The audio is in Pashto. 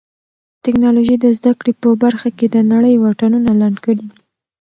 ټیکنالوژي د زده کړې په برخه کې د نړۍ واټنونه لنډ کړي دي.